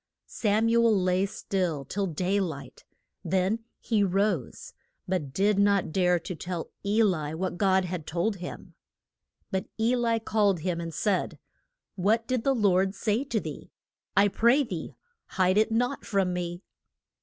Sam u el lay still till day light. Then he rose, but did not dare to tell E li what God had told him. But E li called him and said, What did the Lord say to thee? I pray thee hide it not from me.